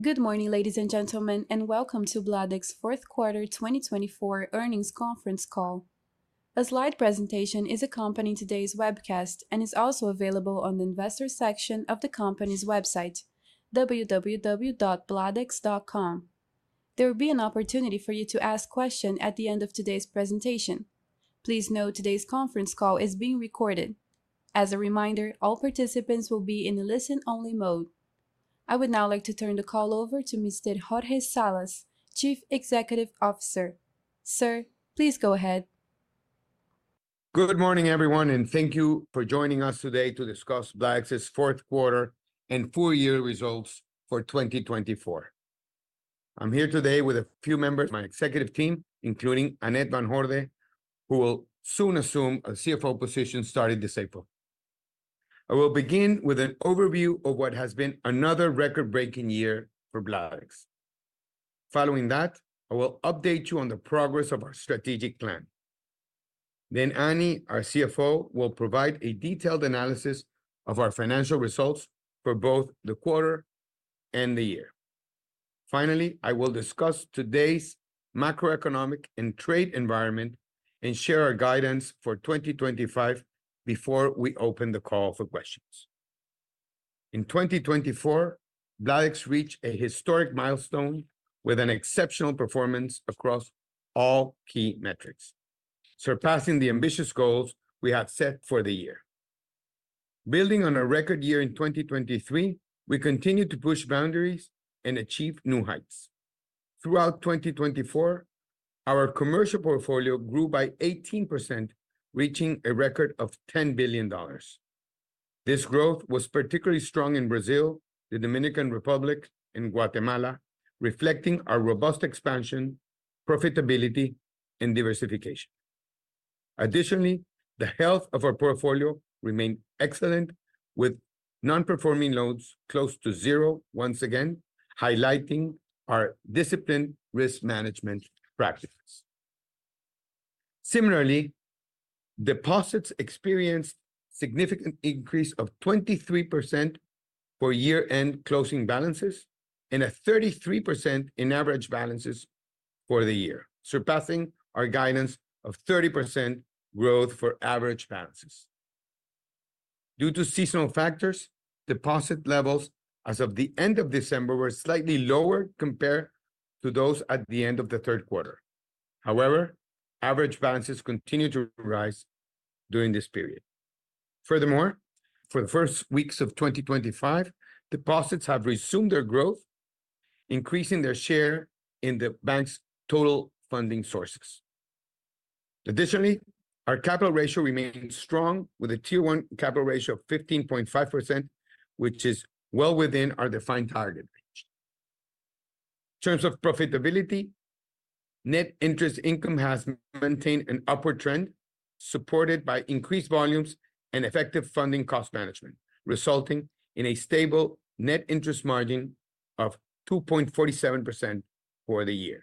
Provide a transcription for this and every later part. Good morning, ladies and gentlemen, and welcome to BLADEX's Fourth Quarter 2024 Earnings Conference Call. A slide presentation is accompanying today's webcast and is also available on the Investor section of the company's website, www.bladex.com. There will be an opportunity for you to ask questions at the end of today's presentation. Please note today's conference call is being recorded. As a reminder, all participants will be in a listen-only mode. I would now like to turn the call over to Mr. Jorge Salas, Chief Executive Officer. Sir, please go ahead. Good morning, everyone, and thank you for joining us today to discuss BLADEX's fourth quarter and full-year results for 2024. I'm here today with a few members of my executive team, including Annette van Hoorde, who will soon assume a CFO position starting this April. I will begin with an overview of what has been another record-breaking year for BLADEX. Following that, I will update you on the progress of our strategic plan. Then Annie, our CFO, will provide a detailed analysis of our financial results for both the quarter and the year. Finally, I will discuss today's macroeconomic and trade environment and share our guidance for 2025 before we open the call for questions. In 2024, BLADEX reached a historic milestone with an exceptional performance across all key metrics, surpassing the ambitious goals we had set for the year. Building on a record year in 2023, we continue to push boundaries and achieve new heights. Throughout 2024, our commercial portfolio grew by 18%, reaching a record of $10 billion. This growth was particularly strong in Brazil, the Dominican Republic, and Guatemala, reflecting our robust expansion, profitability, and diversification. Additionally, the health of our portfolio remained excellent, with non-performing loans close to zero once again, highlighting our disciplined risk management practices. Similarly, deposits experienced a significant increase of 23% for year-end closing balances and a 33% in average balances for the year, surpassing our guidance of 30% growth for average balances. Due to seasonal factors, deposit levels as of the end of December were slightly lower compared to those at the end of the third quarter. However, average balances continued to rise during this period. Furthermore, for the first weeks of 2025, deposits have resumed their growth, increasing their share in the bank's total funding sources. Additionally, our capital ratio remains strong, with a tier-one capital ratio of 15.5%, which is well within our defined target range. In terms of profitability, net interest income has maintained an upward trend, supported by increased volumes and effective funding cost management, resulting in a stable net interest margin of 2.47% for the year.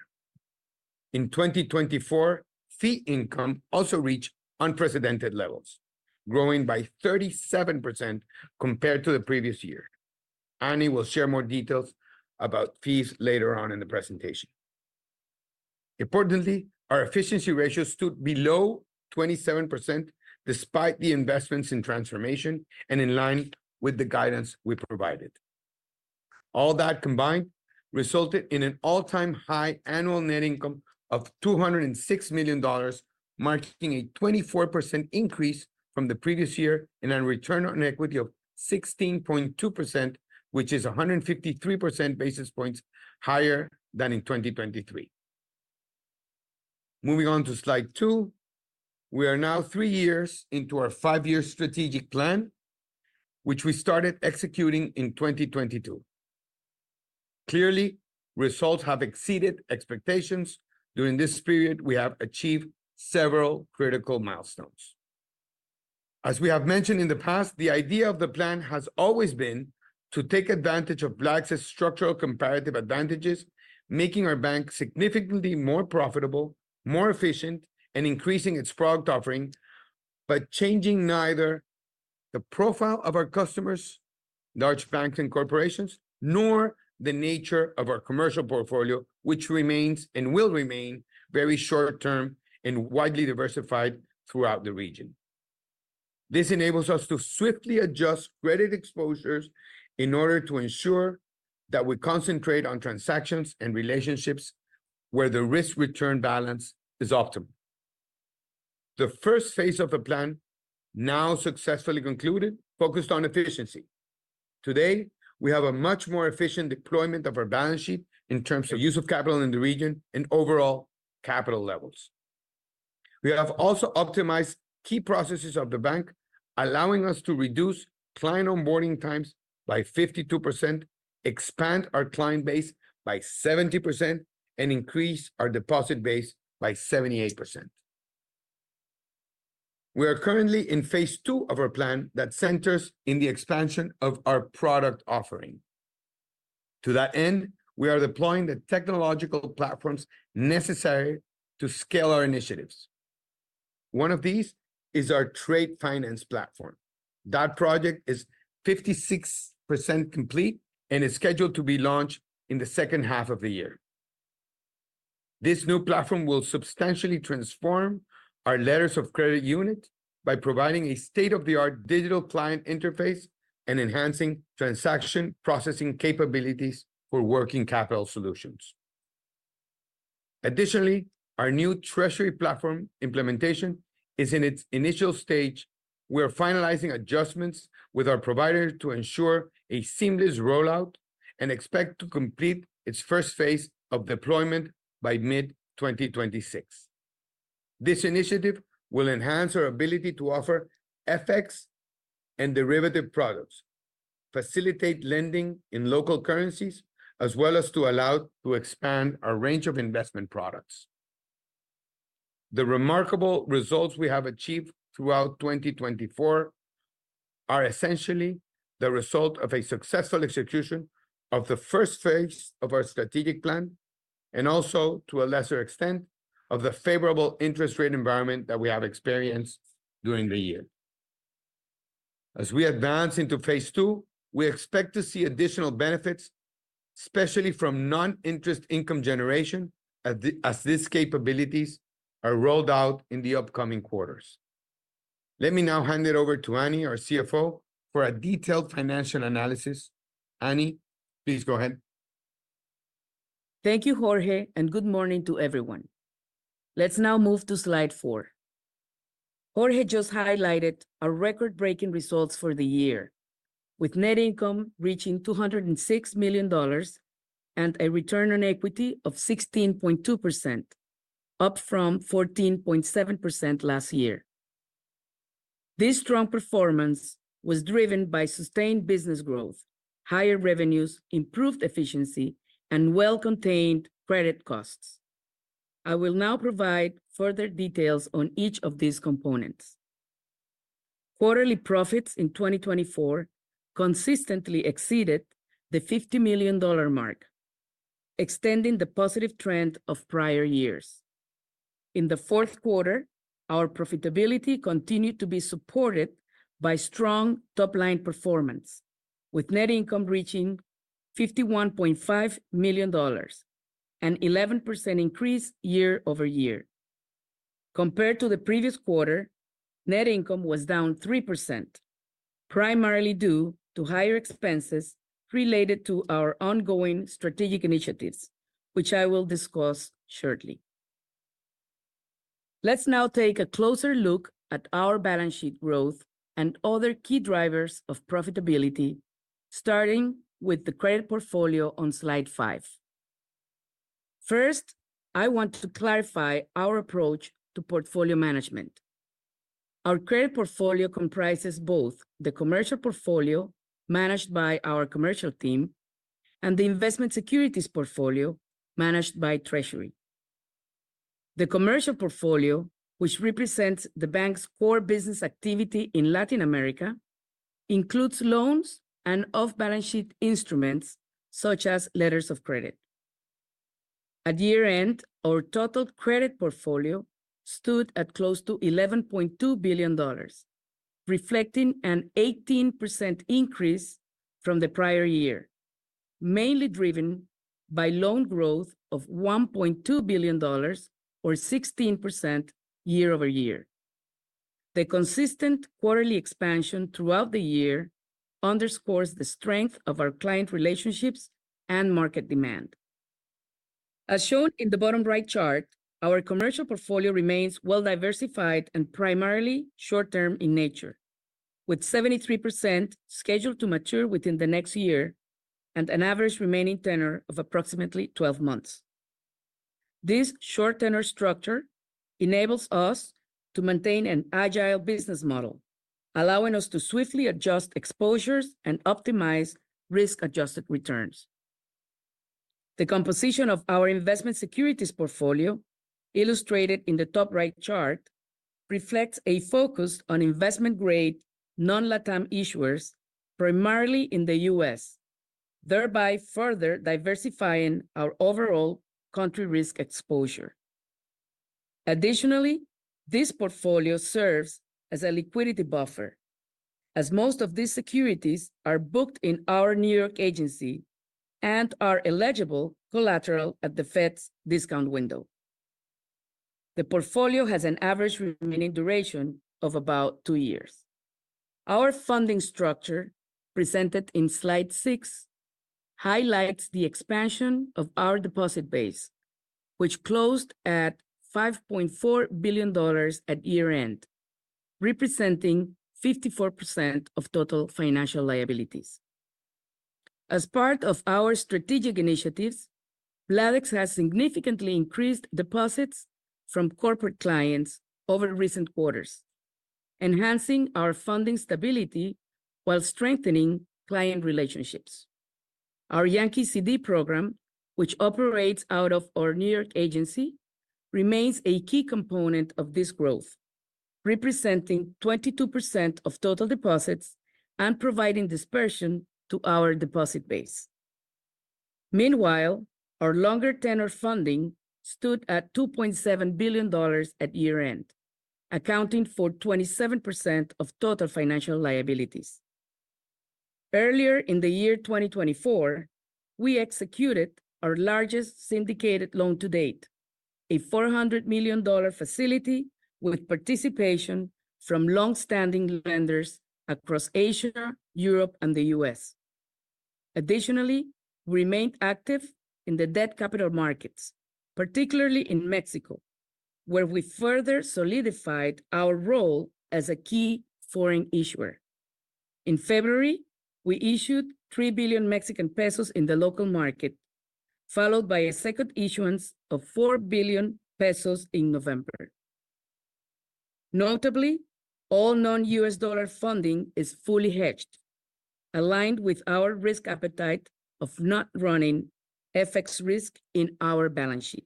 In 2024, fee income also reached unprecedented levels, growing by 37% compared to the previous year. Annie will share more details about fees later on in the presentation. Importantly, our efficiency ratio stood below 27% despite the investments in transformation and in line with the guidance we provided. All that combined resulted in an all-time high annual net income of $206 million, marking a 24% increase from the previous year and a return on equity of 16.2%, which is 153 basis points higher than in 2023. Moving on to slide two, we are now three years into our five-year strategic plan, which we started executing in 2022. Clearly, results have exceeded expectations. During this period, we have achieved several critical milestones. As we have mentioned in the past, the idea of the plan has always been to take advantage of BLADEX's structural comparative advantages, making our bank significantly more profitable, more efficient, and increasing its product offering, but changing neither the profile of our customers, large banks and corporations, nor the nature of our commercial portfolio, which remains and will remain very short-term and widely diversified throughout the region. This enables us to swiftly adjust credit exposures in order to ensure that we concentrate on transactions and relationships where the risk-return balance is optimal. The first phase of the plan, now successfully concluded, focused on efficiency. Today, we have a much more efficient deployment of our balance sheet in terms of use of capital in the region and overall capital levels. We have also optimized key processes of the bank, allowing us to reduce client onboarding times by 52%, expand our client base by 70%, and increase our deposit base by 78%. We are currently in phase two of our plan that centers on the expansion of our product offering. To that end, we are deploying the technological platforms necessary to scale our initiatives. One of these is our trade finance platform. That project is 56% complete and is scheduled to be launched in the second half of the year. This new platform will substantially transform our letters of credit unit by providing a state-of-the-art digital client interface and enhancing transaction processing capabilities for working capital solutions. Additionally, our new treasury platform implementation is in its initial stage. We are finalizing adjustments with our providers to ensure a seamless rollout and expect to complete its first phase of deployment by mid-2026. This initiative will enhance our ability to offer FX and derivative products, facilitate lending in local currencies, as well as allow us to expand our range of investment products. The remarkable results we have achieved throughout 2024 are essentially the result of a successful execution of the first phase of our strategic plan and also, to a lesser extent, of the favorable interest rate environment that we have experienced during the year. As we advance into phase two, we expect to see additional benefits, especially from non-interest income generation, as these capabilities are rolled out in the upcoming quarters. Let me now hand it over to Annie, our CFO, for a detailed financial analysis. Annie, please go ahead. Thank you, Jorge, and good morning to everyone. Let's now move to slide four. Jorge just highlighted our record-breaking results for the year, with net income reaching $206 million and a return on equity of 16.2%, up from 14.7% last year. This strong performance was driven by sustained business growth, higher revenues, improved efficiency, and well-contained credit costs. I will now provide further details on each of these components. Quarterly profits in 2024 consistently exceeded the $50 million mark, extending the positive trend of prior years. In the fourth quarter, our profitability continued to be supported by strong top-line performance, with net income reaching $51.5 million and an 11% increase year over year. Compared to the previous quarter, net income was down 3%, primarily due to higher expenses related to our ongoing strategic initiatives, which I will discuss shortly. Let's now take a closer look at our balance sheet growth and other key drivers of profitability, starting with the credit portfolio on slide five. First, I want to clarify our approach to portfolio management. Our credit portfolio comprises both the commercial portfolio managed by our commercial team and the investment securities portfolio managed by treasury. The commercial portfolio, which represents the bank's core business activity in Latin America, includes loans and off-balance sheet instruments such as letters of credit. At year-end, our total credit portfolio stood at close to $11.2 billion, reflecting an 18% increase from the prior year, mainly driven by loan growth of $1.2 billion, or 16% year over year. The consistent quarterly expansion throughout the year underscores the strength of our client relationships and market demand. As shown in the bottom right chart, our commercial portfolio remains well-diversified and primarily short-term in nature, with 73% scheduled to mature within the next year and an average remaining tenor of approximately 12 months. This short-tenor structure enables us to maintain an agile business model, allowing us to swiftly adjust exposures and optimize risk-adjusted returns. The composition of our investment securities portfolio, illustrated in the top right chart, reflects a focus on investment-grade non-LatAm issuers, primarily in the U.S., thereby further diversifying our overall country risk exposure. Additionally, this portfolio serves as a liquidity buffer, as most of these securities are booked in our New York agency and are eligible collateral at the Fed's discount window. The portfolio has an average remaining duration of about two years. Our funding structure, presented in slide six, highlights the expansion of our deposit base, which closed at $5.4 billion at year-end, representing 54% of total financial liabilities. As part of our strategic initiatives, BLADEX has significantly increased deposits from corporate clients over recent quarters, enhancing our funding stability while strengthening client relationships. Our Yankee CD program, which operates out of our New York agency, remains a key component of this growth, representing 22% of total deposits and providing dispersion to our deposit base. Meanwhile, our longer tenor funding stood at $2.7 billion at year-end, accounting for 27% of total financial liabilities. Earlier in the year 2024, we executed our largest syndicated loan to date, a $400 million facility with participation from longstanding lenders across Asia, Europe, and the U.S. Additionally, we remained active in the debt capital markets, particularly in Mexico, where we further solidified our role as a key foreign issuer. In February, we issued 3 billion Mexican pesos in the local market, followed by a second issuance of 4 billion pesos in November. Notably, all non-U.S. dollar funding is fully hedged, aligned with our risk appetite of not running FX risk in our balance sheet.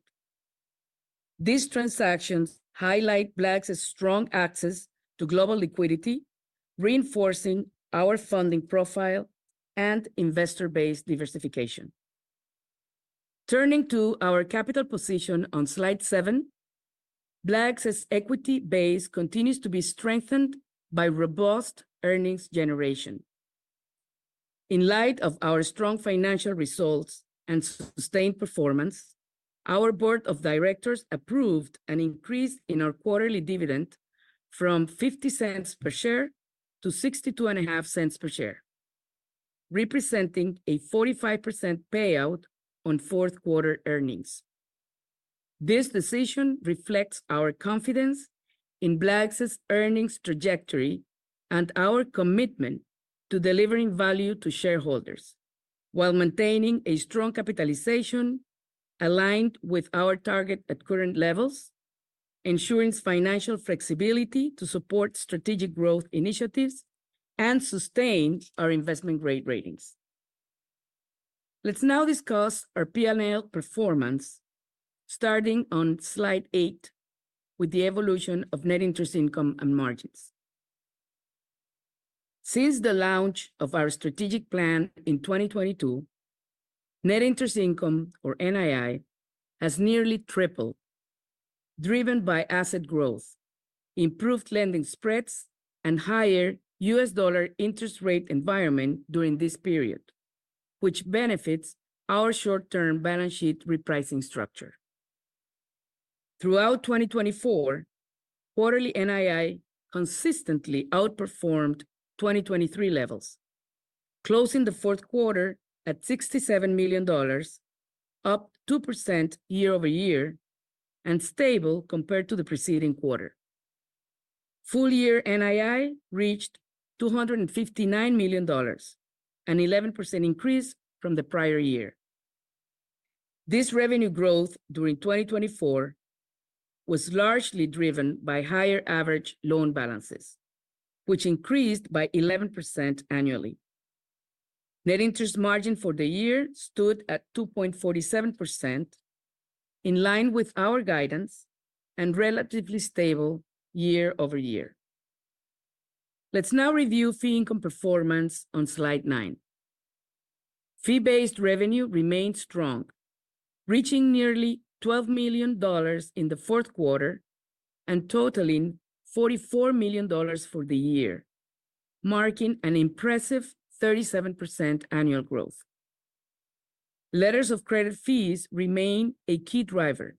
These transactions highlight BLADEX's strong access to global liquidity, reinforcing our funding profile and investor-based diversification. Turning to our capital position on slide seven, BLADEX's equity base continues to be strengthened by robust earnings generation. In light of our strong financial results and sustained performance, our board of directors approved an increase in our quarterly dividend from $0.50 per share to $0.625 per share, representing a 45% payout on fourth-quarter earnings. This decision reflects our confidence in BLADEX's earnings trajectory and our commitment to delivering value to shareholders while maintaining a strong capitalization aligned with our target at current levels, ensuring financial flexibility to support strategic growth initiatives and sustained our investment-grade ratings. Let's now discuss our P&L performance, starting on slide eight with the evolution of net interest income and margins. Since the launch of our strategic plan in 2022, net interest income, or NII, has nearly tripled, driven by asset growth, improved lending spreads, and a higher U.S. dollar interest rate environment during this period, which benefits our short-term balance sheet repricing structure. Throughout 2024, quarterly NII consistently outperformed 2023 levels, closing the fourth quarter at $67 million, up 2% year over year and stable compared to the preceding quarter. Full-year NII reached $259 million, an 11% increase from the prior year. This revenue growth during 2024 was largely driven by higher average loan balances, which increased by 11% annually. Net interest margin for the year stood at 2.47%, in line with our guidance and relatively stable year over year. Let's now review fee income performance on slide nine. Fee-based revenue remained strong, reaching nearly $12 million in the fourth quarter and totaling $44 million for the year, marking an impressive 37% annual growth. Letters of credit fees remain a key driver,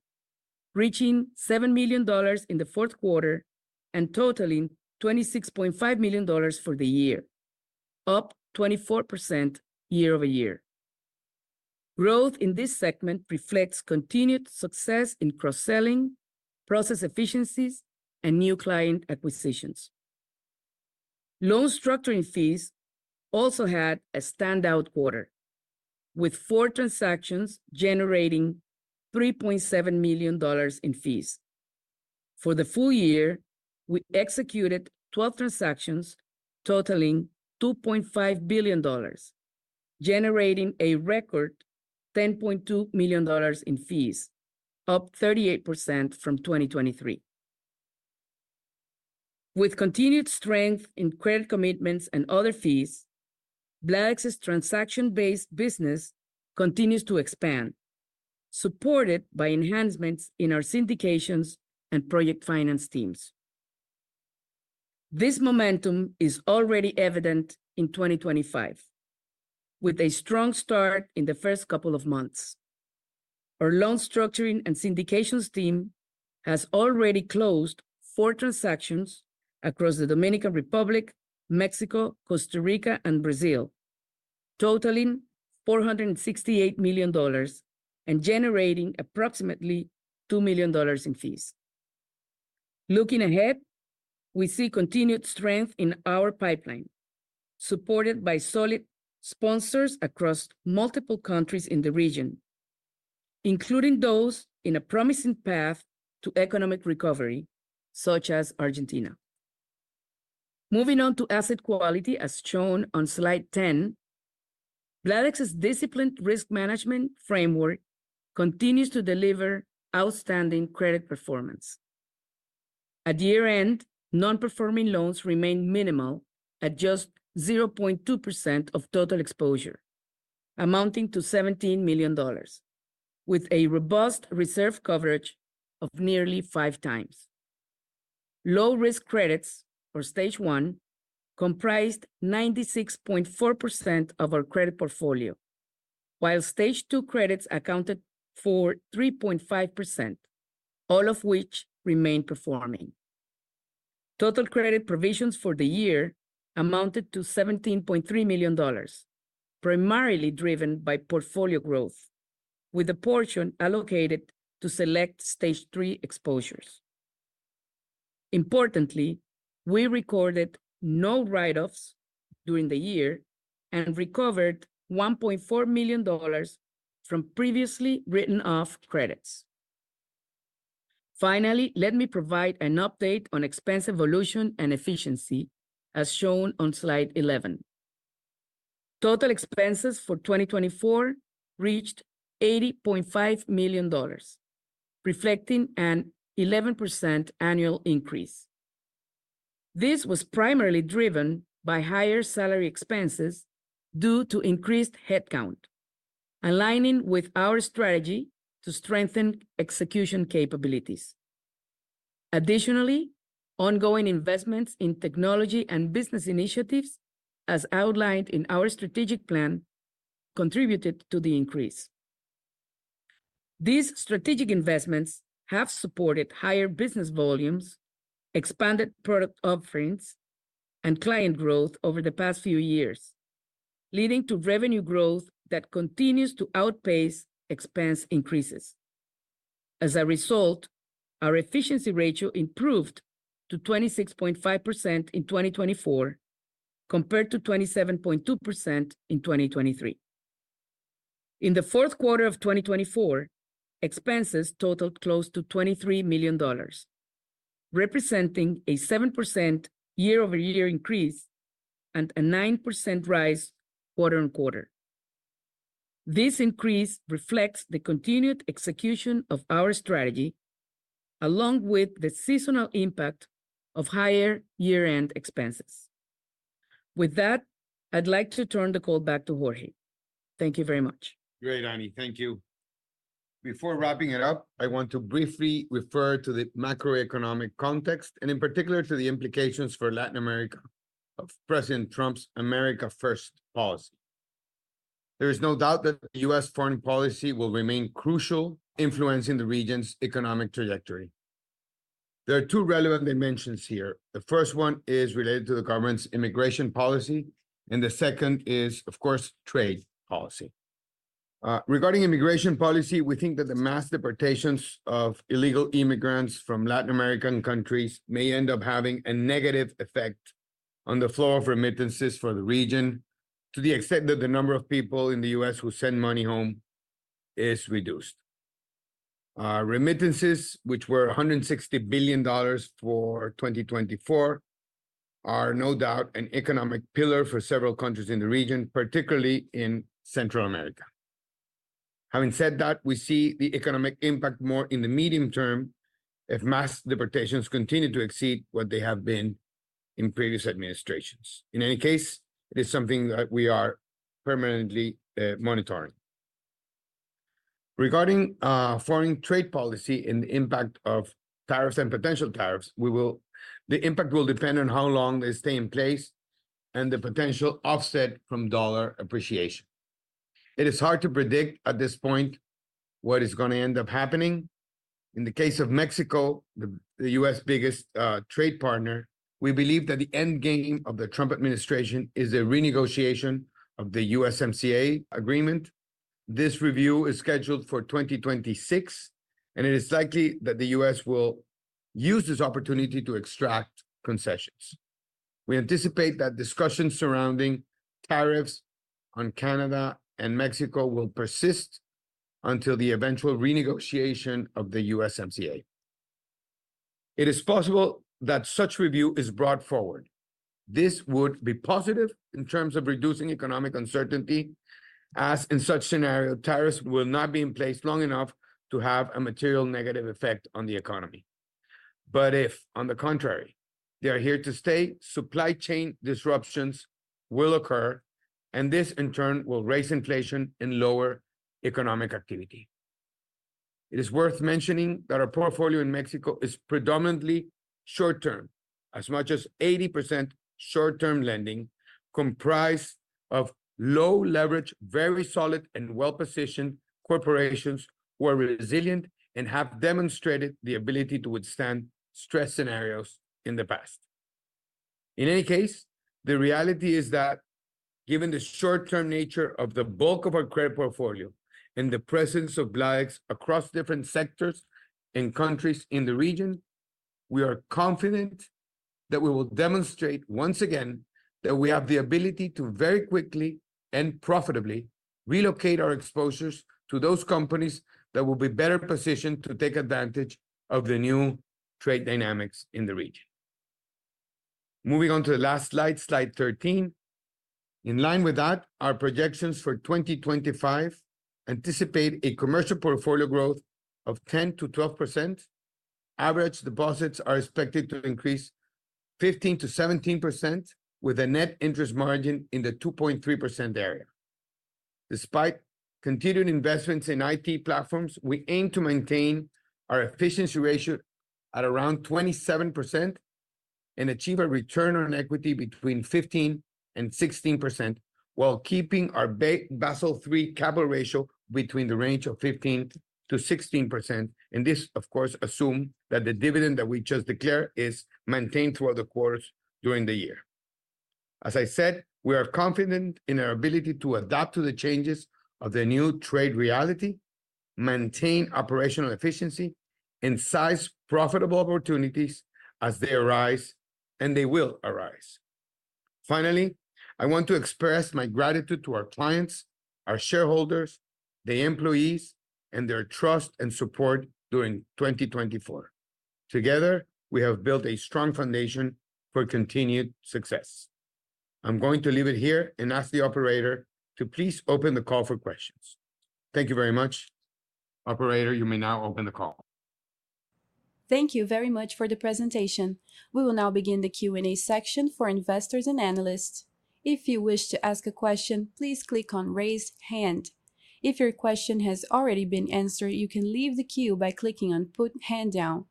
reaching $7 million in the fourth quarter and totaling $26.5 million for the year, up 24% year over year. Growth in this segment reflects continued success in cross-selling, process efficiencies, and new client acquisitions. Loan structuring fees also had a standout quarter, with four transactions generating $3.7 million in fees. For the full year, we executed 12 transactions totaling $2.5 billion, generating a record $10.2 million in fees, up 38% from 2023. With continued strength in credit commitments and other fees, BLADEX's transaction-based business continues to expand, supported by enhancements in our syndications and project finance teams. This momentum is already evident in 2025, with a strong start in the first couple of months. Our loan structuring and syndications team has already closed four transactions across the Dominican Republic, Mexico, Costa Rica, and Brazil, totaling $468 million and generating approximately $2 million in fees. Looking ahead, we see continued strength in our pipeline, supported by solid sponsors across multiple countries in the region, including those in a promising path to economic recovery, such as Argentina. Moving on to asset quality, as shown on slide 10, BLADEX's disciplined risk management framework continues to deliver outstanding credit performance. At year-end, non-performing loans remain minimal, at just 0.2% of total exposure, amounting to $17 million, with a robust reserve coverage of nearly five times. Low-risk credits, or stage one, comprised 96.4% of our credit portfolio, while stage two credits accounted for 3.5%, all of which remain performing. Total credit provisions for the year amounted to $17.3 million, primarily driven by portfolio growth, with a portion allocated to select stage three exposures. Importantly, we recorded no write-offs during the year and recovered $1.4 million from previously written-off credits. Finally, let me provide an update on expense evolution and efficiency, as shown on slide 11. Total expenses for 2024 reached $80.5 million, reflecting an 11% annual increase. This was primarily driven by higher salary expenses due to increased headcount, aligning with our strategy to strengthen execution capabilities. Additionally, ongoing investments in technology and business initiatives, as outlined in our strategic plan, contributed to the increase. These strategic investments have supported higher business volumes, expanded product offerings, and client growth over the past few years, leading to revenue growth that continues to outpace expense increases. As a result, our efficiency ratio improved to 26.5% in 2024 compared to 27.2% in 2023. In the fourth quarter of 2024, expenses totaled close to $23 million, representing a 7% year-over-year increase and a 9% rise quarter on quarter. This increase reflects the continued execution of our strategy, along with the seasonal impact of higher year-end expenses. With that, I'd like to turn the call back to Jorge. Thank you very much. Great, Annie. Thank you. Before wrapping it up, I want to briefly refer to the macroeconomic context and, in particular, to the implications for Latin America of President Trump's America First policy. There is no doubt that the U.S. foreign policy will remain crucial, influencing the region's economic trajectory. There are two relevant dimensions here. The first one is related to the government's immigration policy, and the second is, of course, trade policy. Regarding immigration policy, we think that the mass deportations of illegal immigrants from Latin American countries may end up having a negative effect on the flow of remittances for the region, to the extent that the number of people in the U.S. who send money home is reduced. Remittances, which were $160 billion for 2024, are no doubt an economic pillar for several countries in the region, particularly in Central America. Having said that, we see the economic impact more in the medium term if mass deportations continue to exceed what they have been in previous administrations. In any case, it is something that we are permanently monitoring. Regarding foreign trade policy and the impact of tariffs and potential tariffs, the impact will depend on how long they stay in place and the potential offset from dollar appreciation. It is hard to predict at this point what is going to end up happening. In the case of Mexico, the U.S. biggest trade partner, we believe that the end game of the Trump administration is the renegotiation of the USMCA agreement. This review is scheduled for 2026, and it is likely that the U.S. will use this opportunity to extract concessions. We anticipate that discussions surrounding tariffs on Canada and Mexico will persist until the eventual renegotiation of the USMCA. It is possible that such review is brought forward. This would be positive in terms of reducing economic uncertainty, as in such scenario, tariffs will not be in place long enough to have a material negative effect on the economy. If, on the contrary, they are here to stay, supply chain disruptions will occur, and this, in turn, will raise inflation and lower economic activity. It is worth mentioning that our portfolio in Mexico is predominantly short-term, as much as 80% short-term lending comprised of low-leverage, very solid, and well-positioned corporations who are resilient and have demonstrated the ability to withstand stress scenarios in the past. In any case, the reality is that, given the short-term nature of the bulk of our credit portfolio and the presence of BLADEX across different sectors and countries in the region, we are confident that we will demonstrate once again that we have the ability to very quickly and profitably relocate our exposures to those companies that will be better positioned to take advantage of the new trade dynamics in the region. Moving on to the last slide, slide 13. In line with that, our projections for 2025 anticipate a commercial portfolio growth of 10%-12%. Average deposits are expected to increase 15%-17%, with a net interest margin in the 2.3% area. Despite continued investments in IT platforms, we aim to maintain our efficiency ratio at around 27% and achieve a return on equity between 15% and 16% while keeping our Basel III capital ratio between the range of 15%-16%. This, of course, assumes that the dividend that we just declared is maintained throughout the quarters during the year. As I said, we are confident in our ability to adapt to the changes of the new trade reality, maintain operational efficiency, and size profitable opportunities as they arise and they will arise. Finally, I want to express my gratitude to our clients, our shareholders, the employees, and their trust and support during 2024. Together, we have built a strong foundation for continued success. I'm going to leave it here and ask the operator to please open the call for questions. Thank you very much. Operator, you may now open the call. Thank you very much for the presentation. We will now begin the Q&A section for investors and analysts. If you wish to ask a question, please click on "Raise Hand." If your question has already been answered, you can leave the queue by clicking on "Put Hand Down."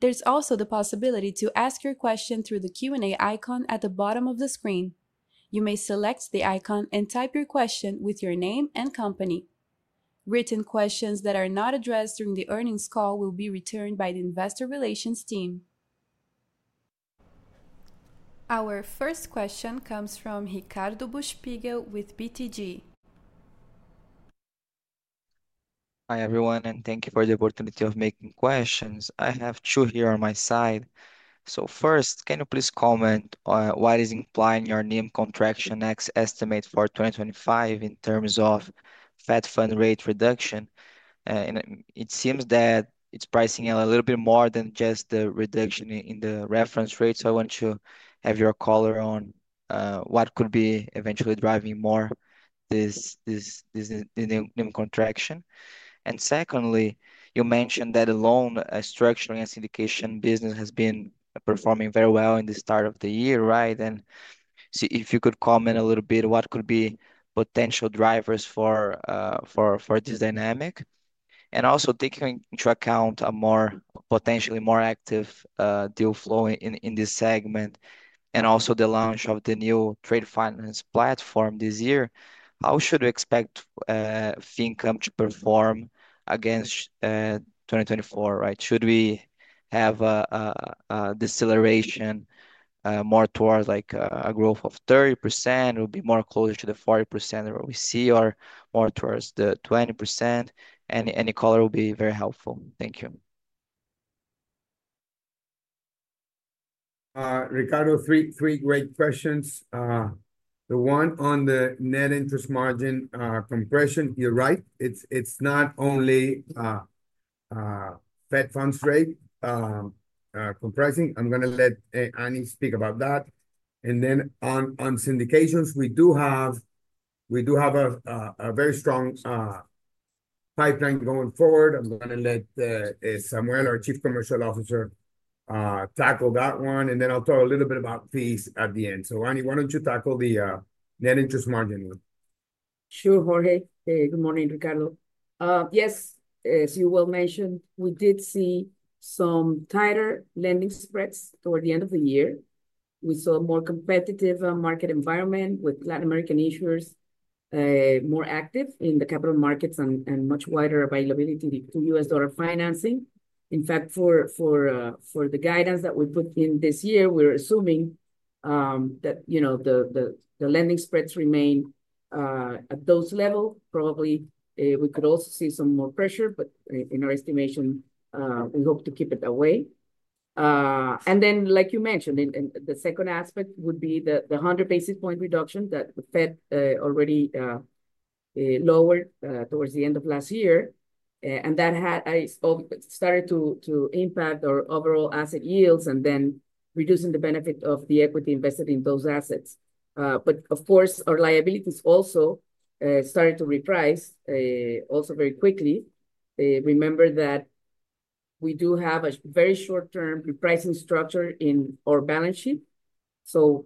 There is also the possibility to ask your question through the Q&A icon at the bottom of the screen. You may select the icon and type your question with your name and company. Written questions that are not addressed during the earnings call will be returned by the Investor Relations Team. Our first question comes from Ricardo Buchpiguel with BTG. Hi, everyone, and thank you for the opportunity of making questions. I have two here on my side. First, can you please comment on what is implying your NIM contraction next estimate for 2025 in terms of Fed fund rate reduction? It seems that it's pricing out a little bit more than just the reduction in the reference rate. I want to have your color on what could be eventually driving more this NIM contraction. Secondly, you mentioned that the loan structuring and syndication business has been performing very well in the start of the year, right? If you could comment a little bit, what could be potential drivers for this dynamic? Also, taking into account a potentially more active deal flow in this segment and also the launch of the new trade finance platform this year, how should we expect fee income to perform against 2024, right? Should we have a deceleration more towards like a growth of 30%? It will be more closer to the 40% where we see or more towards the 20%? Any color will be very helpful. Thank you. Ricardo, three great questions. The one on the net interest margin compression, you're right. It's not only Fed funds rate compressing. I'm going to let Annie speak about that. On syndications, we do have a very strong pipeline going forward. I'm going to let Samuel, our Chief Commercial Officer, tackle that one. I'll talk a little bit about fees at the end. Annie, why don't you tackle the net interest margin one? Sure, Jorge. Good morning, Ricardo. Yes, as you well mentioned, we did see some tighter lending spreads toward the end of the year. We saw a more competitive market environment with Latin American issuers more active in the capital markets and much wider availability to U.S. dollar financing. In fact, for the guidance that we put in this year, we're assuming that, you know, the lending spreads remain at those levels. Probably we could also see some more pressure, but in our estimation, we hope to keep it that way. Like you mentioned, the second aspect would be the 100 basis point reduction that the Fed already lowered towards the end of last year. That had started to impact our overall asset yields and then reducing the benefit of the equity invested in those assets. Of course, our liabilities also started to reprice also very quickly. Remember that we do have a very short-term repricing structure in our balance sheet.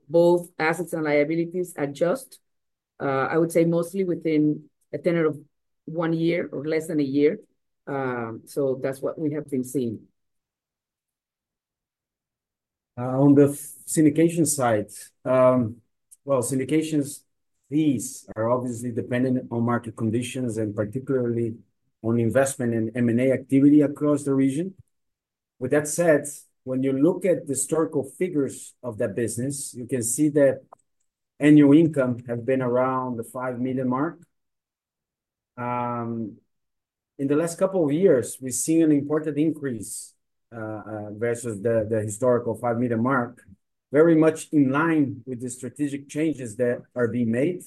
Both assets and liabilities adjust, I would say mostly within a tenor of one year or less than a year. That is what we have been seeing. On the syndication side, syndications fees are obviously dependent on market conditions and particularly on investment and M&A activity across the region. With that said, when you look at the historical figures of that business, you can see that annual income has been around the $5 million mark. In the last couple of years, we have seen an important increase versus the historical $5 million mark, very much in line with the strategic changes that are being made.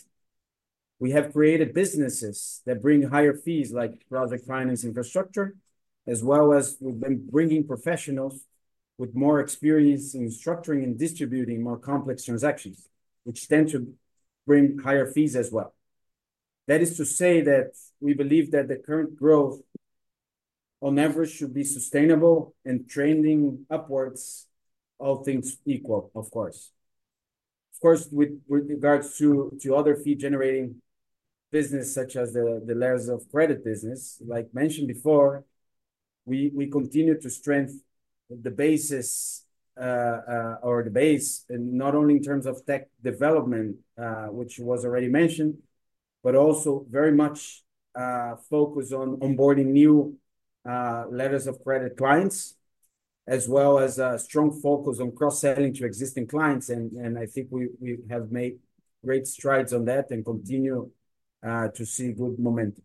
We have created businesses that bring higher fees like project finance infrastructure, as well as we have been bringing professionals with more experience in structuring and distributing more complex transactions, which tend to bring higher fees as well. That is to say that we believe that the current growth on average should be sustainable and trending upwards if things equal, of course. Of course, with regards to other fee-generating businesses, such letters of credit business, like mentioned before, we continue to strengthen the basis or the base, and not only in terms of tech development, which was already mentioned, but also very much focus on onboarding new letters of credit clients, as well as a strong focus on cross-selling to existing clients. I think we have made great strides on that and continue to see good momentum.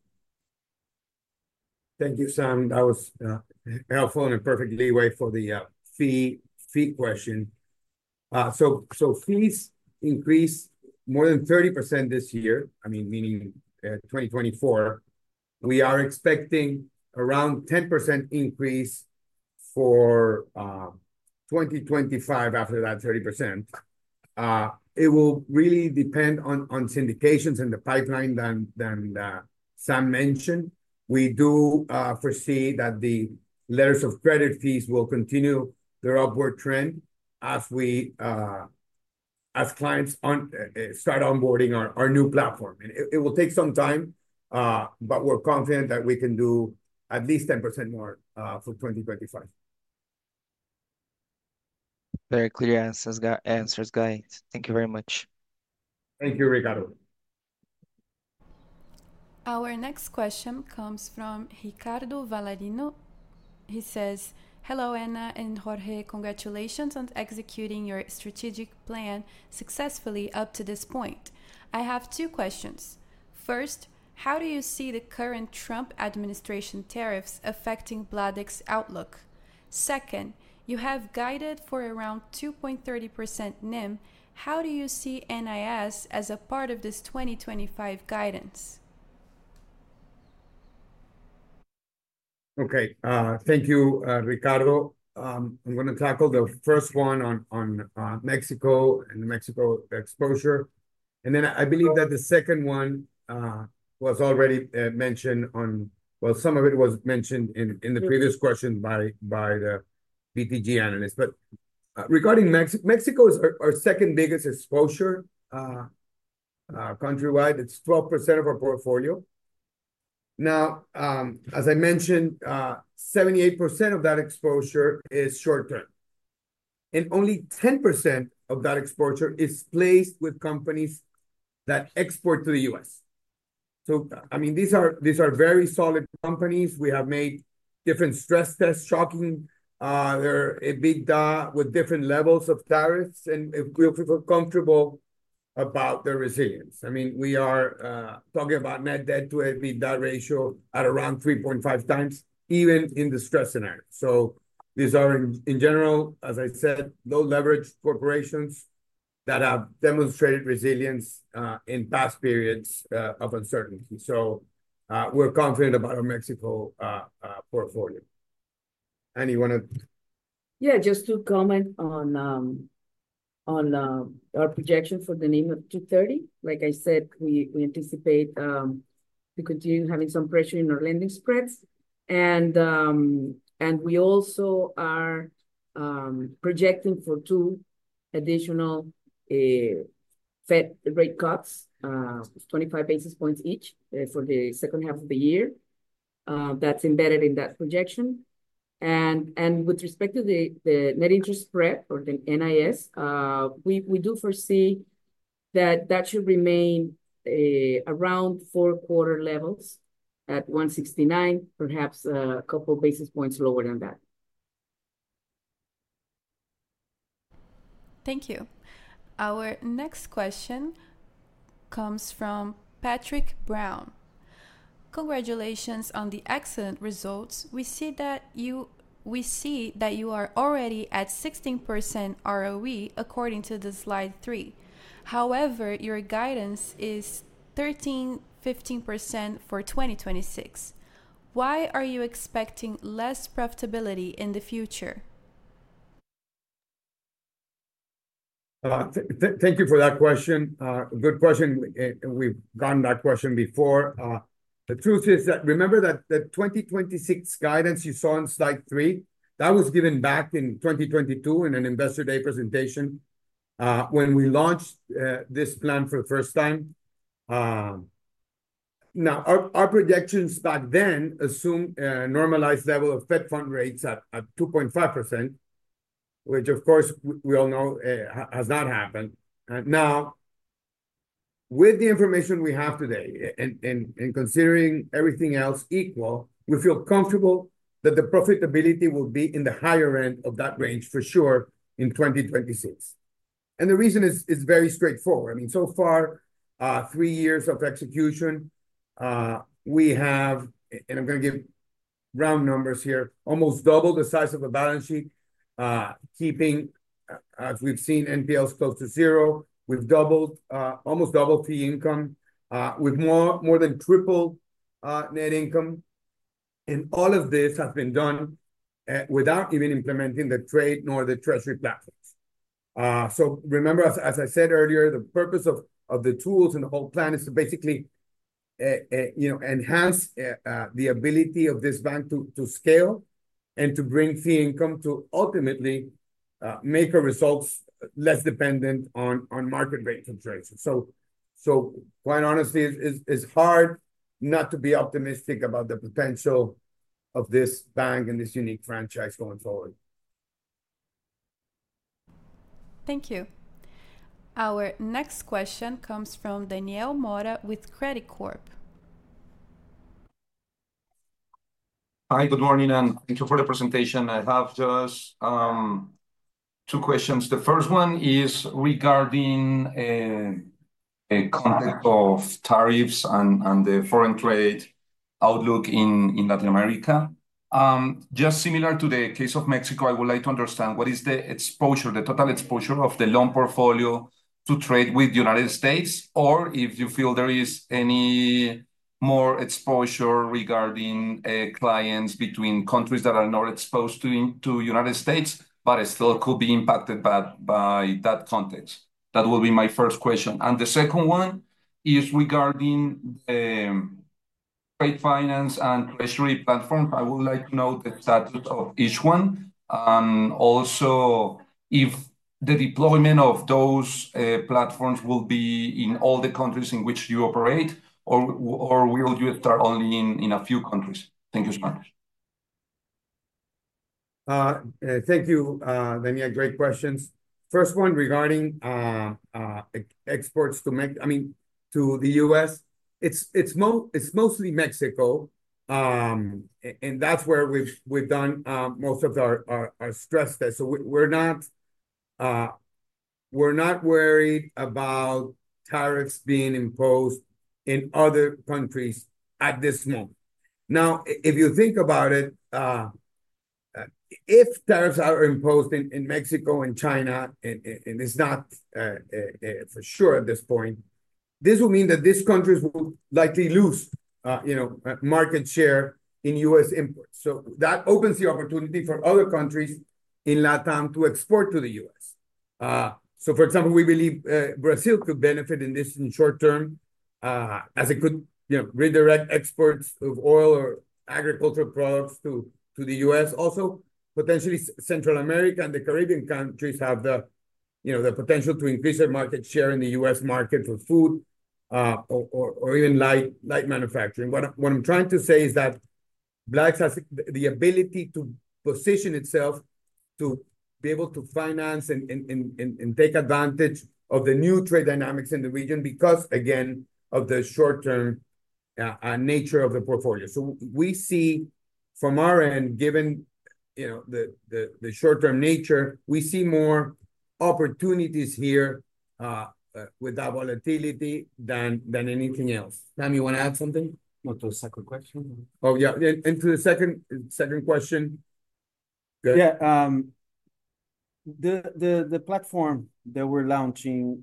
Thank you, Sam. That was helpful and a perfect leeway for the fee question. Fees increased more than 30% this year, I mean, meaning 2024. We are expecting around 10% increase for 2025 after that 30%. It will really depend on syndications and the pipeline that Sam mentioned. We do foresee that the letters of credit fees will continue their upward trend as we as clients start onboarding our new platform. It will take some time, but we're confident that we can do at least 10% more for 2025. Very clear answers, guys. Thank you very much. Thank you, Ricardo. Our next question comes from Ricardo Valerino. He says, "Hello, Ana and Jorge. Congratulations on executing your strategic plan successfully up to this point. I have two questions. First, how do you see the current Trump administration tariffs affecting BLADEX outlook? Second, you have guided for around 2.30% NIM. How do you see NIS as a part of this 2025 guidance?" Okay, thank you, Ricardo. I'm going to tackle the first one on Mexico and the Mexico exposure. I believe that the second one was already mentioned, some of it was mentioned in the previous question by the BTG analyst. Regarding Mexico, Mexico is our second biggest exposure countrywide. It is 12% of our portfolio. As I mentioned, 78% of that exposure is short-term. Only 10% of that exposure is placed with companies that export to the U.S. I mean, these are very solid companies. We have made different stress tests, shocking their EBITDA with different levels of tariffs, and we feel comfortable about their resilience. I mean, we are talking about net debt to EBITDA ratio at around 3.5x, even in the stress scenario. These are, in general, as I said, low-leverage corporations that have demonstrated resilience in past periods of uncertainty. We are confident about our Mexico portfolio. Annie, you want to? Yeah, just to comment on our projection for the NIM of 2.30. Like I said, we anticipate to continue having some pressure in our lending spreads. We also are projecting for two additional Fed rate cuts, 25 basis points each for the second half of the year. That's embedded in that projection. With respect to the net interest spread or the NIS, we do foresee that should remain around fourth-quarter levels at 169, perhaps a couple of basis points lower than that. Thank you. Our next question comes from Patrick Brown. Congratulations on the excellent results. We see that you are already at 16% ROE according to slide three. However, your guidance is 13%-15% for 2026. Why are you expecting less profitability in the future? Thank you for that question. Good question. We've gotten that question before. The truth is that remember that the 2026 guidance you saw on slide three, that was given back in 2022 in an Investor Day presentation when we launched this plan for the first time. Now, our projections back then assumed a normalized level of Fed fund rates at 2.5%, which, of course, we all know has not happened. Now, with the information we have today and considering everything else equal, we feel comfortable that the profitability will be in the higher end of that range for sure in 2026. The reason is very straightforward. I mean, so far, three years of execution, we have, and I'm going to give round numbers here, almost double the size of a balance sheet, keeping, as we've seen, NPLs close to zero. We've doubled, almost doubled fee income, with more than triple net income. And all of this has been done without even implementing the trade nor the treasury platforms. Remember, as I said earlier, the purpose of the tools and the whole plan is to basically, you know, enhance the ability of this bank to scale and to bring fee income to ultimately make our results less dependent on market rate control. Quite honestly, it's hard not to be optimistic about the potential of this bank and this unique franchise going forward. Thank you. Our next question comes from Daniel Mora with Credicorp. Hi, good morning, and thank you for the presentation. I have just two questions. The first one is regarding a concept of tariffs and the foreign trade outlook in Latin America. Just similar to the case of Mexico, I would like to understand what is the exposure, the total exposure of the loan portfolio to trade with the United States, or if you feel there is any more exposure regarding clients between countries that are not exposed to the United States, but it still could be impacted by that context. That will be my first question. The second one is regarding the trade finance and treasury platforms. I would like to know the status of each one. Also, if the deployment of those platforms will be in all the countries in which you operate, or will you start only in a few countries? Thank you so much. Thank you, Daniel. Great questions. First one regarding exports to Mexico, I mean, to the U.S., it is mostly Mexico. That is where we have done most of our stress test. We are not worried about tariffs being imposed in other countries at this moment. If you think about it, if tariffs are imposed in Mexico and China, and it is not for sure at this point, this will mean that these countries will likely lose, you know, market share in U.S. imports. That opens the opportunity for other countries in Latin America to export to the U.S. For example, we believe Brazil could benefit in this in the short term, as it could, you know, redirect exports of oil or agricultural products to the U.S. Also, potentially Central America and the Caribbean countries have the, you know, the potential to increase their market share in the U.S. market for food or even light manufacturing. What I'm trying to say is that BLADEX has the ability to position itself to be able to finance and take advantage of the new trade dynamics in the region because, again, of the short-term nature of the portfolio. We see from our end, given, you know, the short-term nature, we see more opportunities here with that volatility than anything else. Sam, you want to add something? Not to the second question. Oh, yeah. To the second question. Good. The platform that we're launching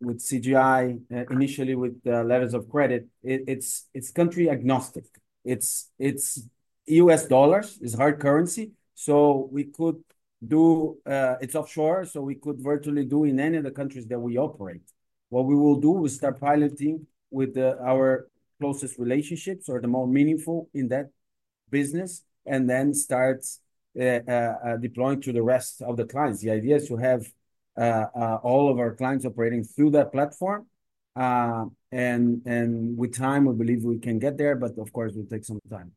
with CGI, initially with the letters of credit, it's country agnostic. It's U.S. dollars. It's hard currency. We could do, it's offshore, so we could virtually do in any of the countries that we operate. What we will do is start piloting with our closest relationships or the more meaningful in that business, and then start deploying to the rest of the clients. The idea is to have all of our clients operating through that platform. With time, we believe we can get there, but of course, it will take some time.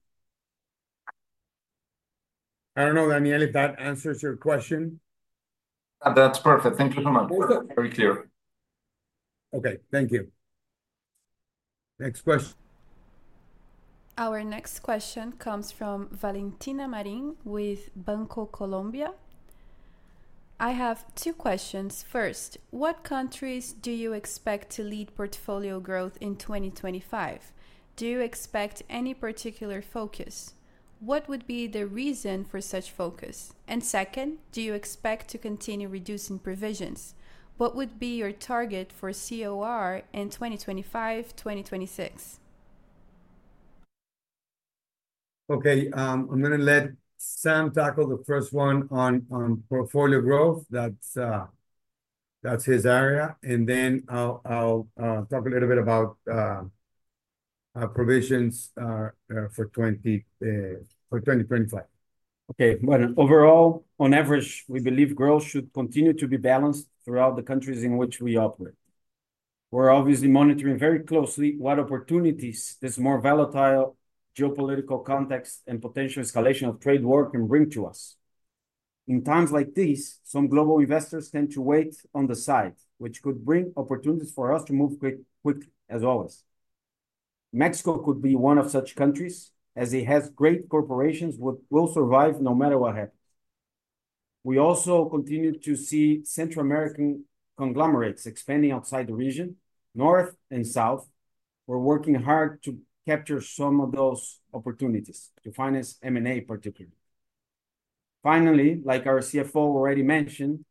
I don't know, Daniel, if that answers your question. That's perfect. Thank you so much. Very clear. Okay, thank you. Next question. Our next question comes from Valentina Marin with Banco Colombia. I have two questions. First, what countries do you expect to lead portfolio growth in 2025? Do you expect any particular focus? What would be the reason for such focus? And second, do you expect to continue reducing provisions? What would be your target for COR in 2025-2026? Okay, I'm going to let Sam tackle the first one on portfolio growth. That's his area. I'll talk a little bit about provisions for 2025. Okay, overall, on average, we believe growth should continue to be balanced throughout the countries in which we operate. We're obviously monitoring very closely what opportunities this more volatile geopolitical context and potential escalation of trade war can bring to us. In times like these, some global investors tend to wait on the side, which could bring opportunities for us to move quick as always. Mexico could be one of such countries, as it has great corporations, will survive no matter what happens. We also continue to see Central American conglomerates expanding outside the region, north and south. We're working hard to capture some of those opportunities to finance M&A particularly. Finally, like our CFO already mentioned,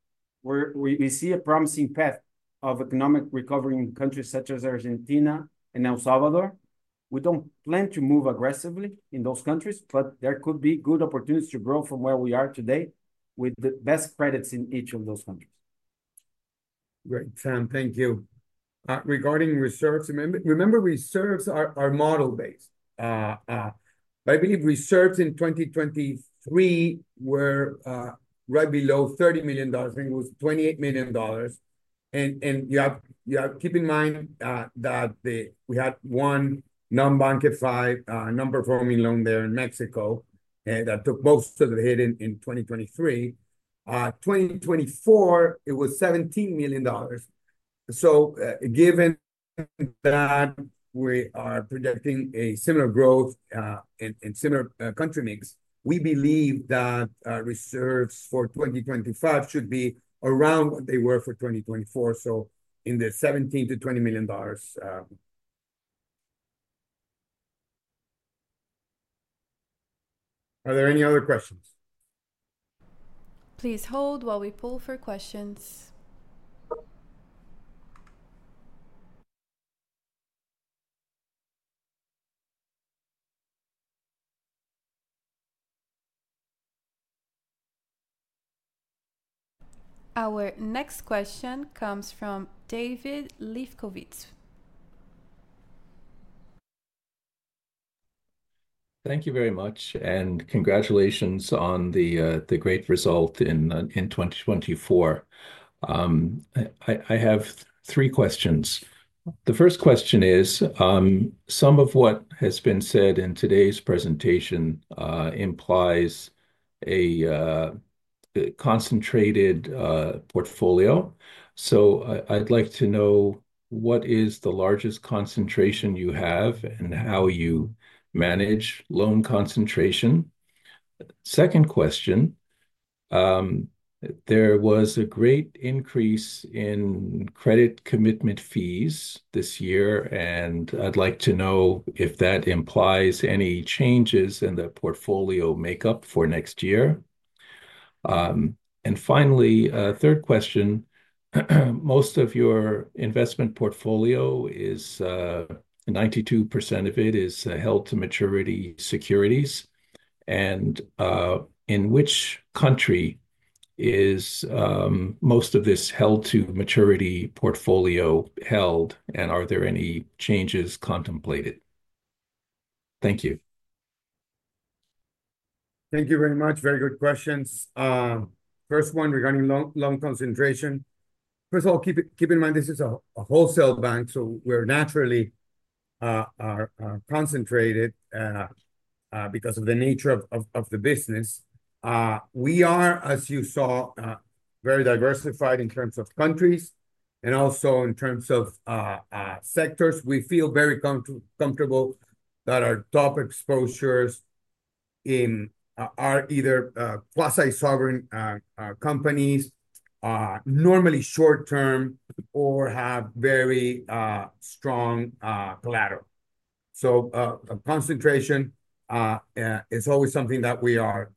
we see a promising path of economic recovery in countries such as Argentina and El Salvador. We do not plan to move aggressively in those countries, but there could be good opportunities to grow from where we are today with the best credits in each of those countries. Great, Sam, thank you. Regarding reserves, remember reserves are model-based. I believe reserves in 2023 were right below $30 million, I think it was $28 million. You have to keep in mind that we had one non-bankified non-performing loan there in Mexico that took most of the hit in 2023. In 2024, it was $17 million. Given that we are projecting similar growth and similar country mix, we believe that reserves for 2025 should be around what they were for 2024. In the $17 million-$20 million. Are there any other questions? Please hold while we pull for questions. Our next question comes from David Lefkowitz. Thank you very much, and congratulations on the great result in 2024. I have three questions. The first question is, some of what has been said in today's presentation implies a concentrated portfolio. I would like to know what is the largest concentration you have and how you manage loan concentration. Second question, there was a great increase in credit commitment fees this year, and I would like to know if that implies any changes in the portfolio makeup for next year. Finally, third question, most of your investment portfolio is, 92% of it is held to maturity securities. In which country is most of this held to maturity portfolio held, and are there any changes contemplated? Thank you. Thank you very much. Very good questions. First one regarding loan concentration. First of all, keep in mind this is a wholesale bank, so we naturally are concentrated because of the nature of the business. We are, as you saw, very diversified in terms of countries and also in terms of sectors. We feel very comfortable that our top exposures are either quasi-sovereign companies, normally short-term or have very strong collateral. Concentration is always something that we are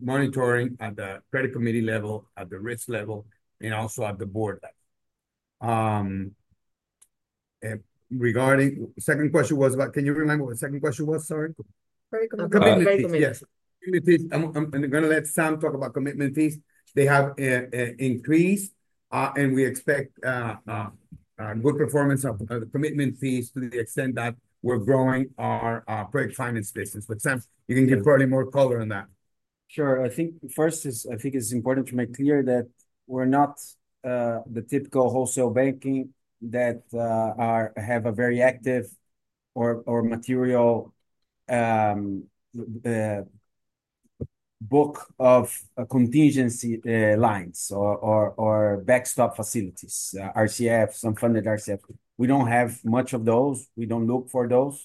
monitoring at the credit committee level, at the risk level, and also at the board level. Regarding second question was about, can you remind me what the second question was, sorry? I'm going to let Sam talk about commitment fees. They have increased, and we expect good performance of commitment fees to the extent that we're growing our credit finance business. Sam, you can give probably more color on that. Sure. I think first is, I think it's important to make clear that we're not the typical wholesale banking that have a very active or material book of contingency lines or backstop facilities, RCFs, unfunded RCFs. We don't have much of those. We don't look for those.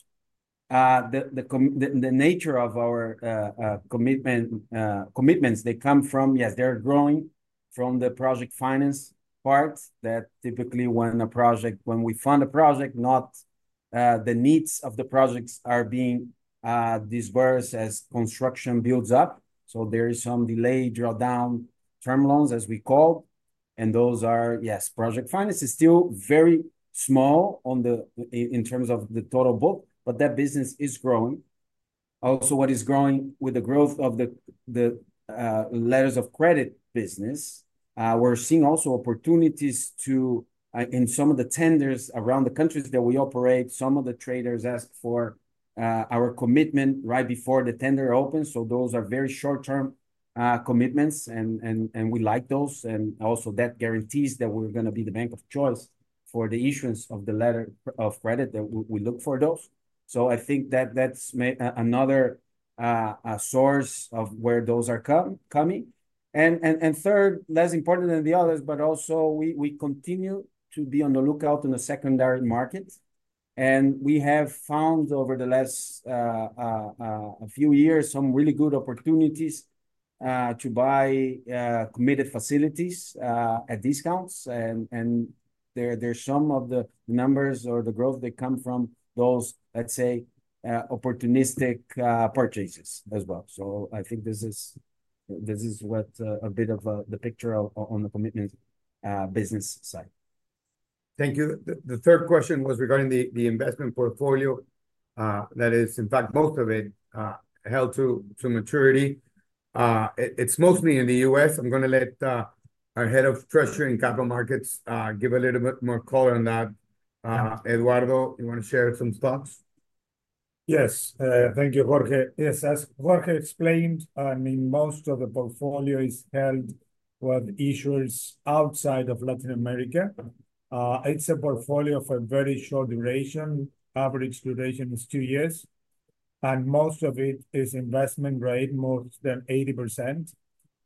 The nature of our commitments, they come from, yes, they're growing from the project finance part that typically when a project, when we fund a project, not the needs of the projects are being disbursed as construction builds up. So there is some delay, drawdown, term loans, as we called. And those are, yes, project finance is still very small in terms of the total book, but that business is growing. Also, what is growing with the growth of the letters of credit business, we're seeing also opportunities in some of the tenders around the countries that we operate, some of the traders ask for our commitment right before the tender opens. Those are very short-term commitments, and we like those. Also, that guarantees that we're going to be the bank of choice for the issuance of the letter of credit, we look for those. I think that that's another source of where those are coming. Third, less important than the others, but also we continue to be on the lookout in the secondary market. We have found over the last few years some really good opportunities to buy committed facilities at discounts. There are some of the numbers or the growth that come from those, let's say, opportunistic purchases as well. I think this is what a bit of the picture on the commitment business side. Thank you. The third question was regarding the investment portfolio that is, in fact, most of it held to maturity. It's mostly in the U.S. I'm going to let our Head of Treasury and Capital Markets give a little bit more color on that. Eduardo, you want to share some thoughts? Yes, thank you, Jorge. Yes, as Jorge explained, most of the portfolio is held with issuers outside of Latin America. It's a portfolio for a very short duration. Average duration is two years. Most of it is investment grade, more than 80%.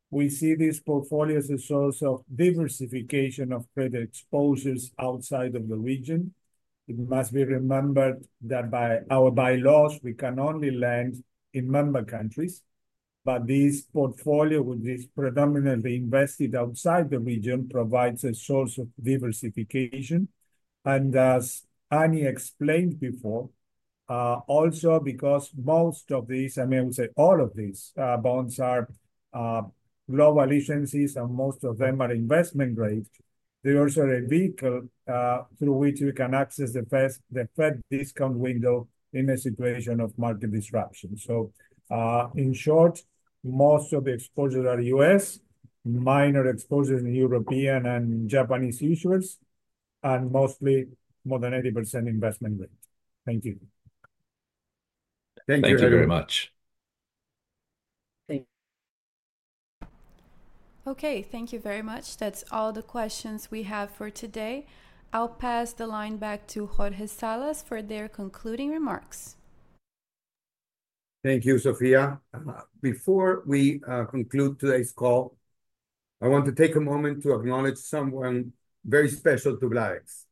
We see these portfolios as a source of diversification of credit exposures outside of the region. It must be remembered that by our bylaws, we can only lend in member countries. This portfolio, which is predominantly invested outside the region, provides a source of diversification. As Annie explained before, also because most of these, I mean, I would say all of these bonds are global issuances, and most of them are investment grade, they also are a vehicle through which you can access the Fed discount window in a situation of market disruption. In short, most of the exposures are U.S., minor exposures in European and Japanese issuers, and mostly more than 80% investment grade. Thank you. Thank you very much. Thank you. Okay, thank you very much. That's all the questions we have for today. I'll pass the line back to Jorge Salas for their concluding remarks. Thank you, Sofia. Before we conclude today's call, I want to take a moment to acknowledge someone very special to BLADEX.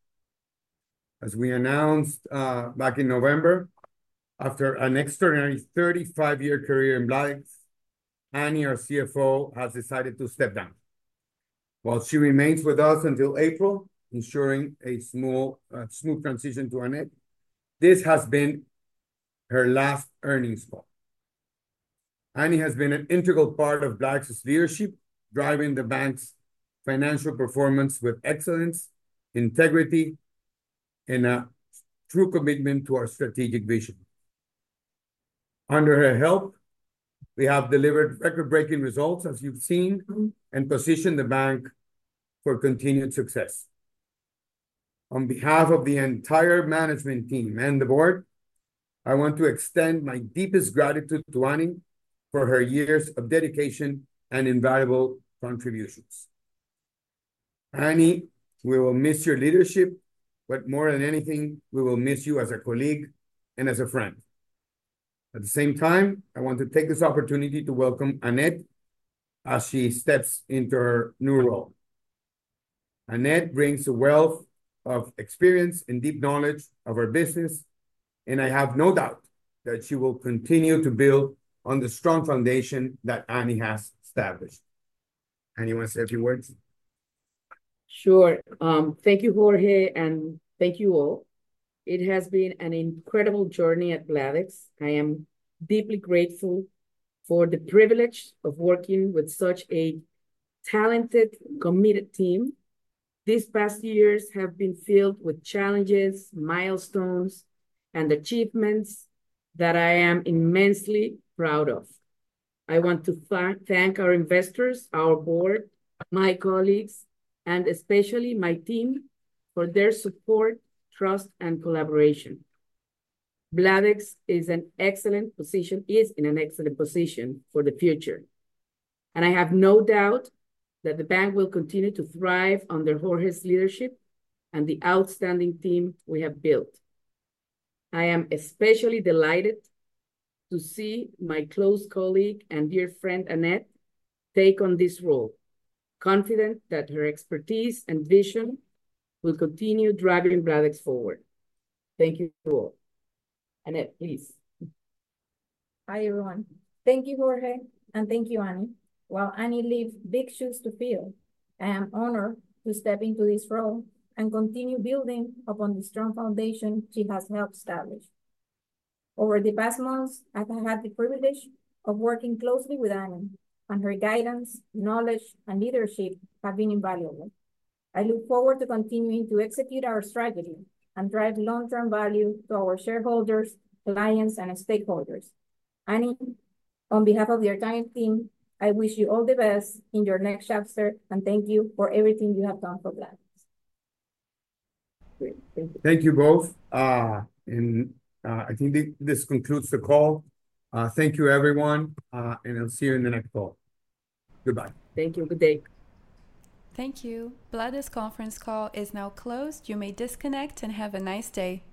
As we announced back in November, after an extraordinary 35-year career in BLADEX, Annie, our CFO, has decided to step down. While she remains with us until April, ensuring a smooth transition to our next, this has been her last earnings call. Annie has been an integral part of BLADEX's leadership, driving the bank's financial performance with excellence, integrity, and a true commitment to our strategic vision. Under her help, we have delivered record-breaking results, as you've seen, and positioned the bank for continued success. On behalf of the entire management team and the board, I want to extend my deepest gratitude to Annie for her years of dedication and invaluable contributions. Annie, we will miss your leadership, but more than anything, we will miss you as a colleague and as a friend. At the same time, I want to take this opportunity to welcome Annette as she steps into her new role. Annette brings a wealth of experience and deep knowledge of our business, and I have no doubt that she will continue to build on the strong foundation that Annie has established. Annie, you want to say a few words? Sure. Thank you, Jorge, and thank you all. It has been an incredible journey at BLADEX. I am deeply grateful for the privilege of working with such a talented, committed team. These past years have been filled with challenges, milestones, and achievements that I am immensely proud of. I want to thank our investors, our board, my colleagues, and especially my team for their support, trust, and collaboration. BLADEX is in an excellent position for the future. I have no doubt that the bank will continue to thrive under Jorge's leadership and the outstanding team we have built. I am especially delighted to see my close colleague and dear friend Annette take on this role, confident that her expertise and vision will continue driving BLADEX forward. Thank you all. Annette, please. Hi everyone. Thank you, Jorge, and thank you, Annie. While Annie leaves big shoes to fill, I am honored to step into this role and continue building upon the strong foundation she has helped establish. Over the past months, I've had the privilege of working closely with Annie, and her guidance, knowledge, and leadership have been invaluable. I look forward to continuing to execute our strategy and drive long-term value to our shareholders, clients, and stakeholders. Annie, on behalf of the entire team, I wish you all the best in your next chapter, and thank you for everything you have done for BLADEX. Thank you both. I think this concludes the call. Thank you, everyone, and I'll see you in the next call. Goodbye. Thank you. Good day. Thank you. BLADEX conference call is now closed. You may disconnect and have a nice day.